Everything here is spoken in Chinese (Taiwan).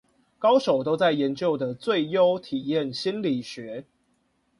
高手都在研究的最優體驗心理學